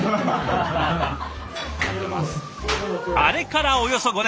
あれからおよそ５年。